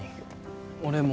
俺も。